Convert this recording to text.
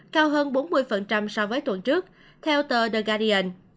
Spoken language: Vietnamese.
cao hơn bốn mươi so với tuần trước theo tờ the garion